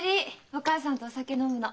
お母さんとお酒飲むの。